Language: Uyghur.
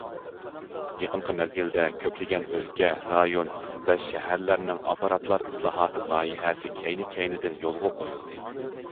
يېقىنقى مەزگىلدە، كۆپلىگەن ئۆلكە، رايون ۋە شەھەرلەرنىڭ ئاپپاراتلار ئىسلاھاتى لايىھەسى كەينى- كەينىدىن يولغا قويۇلدى.